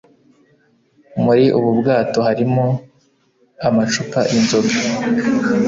Muri ubu bwato, hari harimo amacupa y'inzoga